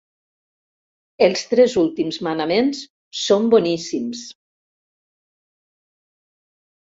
Els tres últims manaments són boníssims.